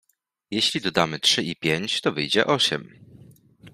Jeśli dodamy trzy i pięć, to wyjdzie osiem.